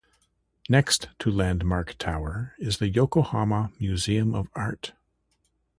Next to Landmark Tower is the Yokohama Museum of Art.